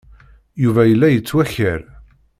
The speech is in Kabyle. Yuba yella yettwakar.